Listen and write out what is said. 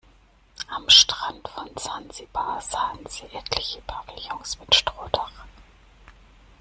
Am Strand von Sansibar sahen sie etliche Pavillons mit Strohdach.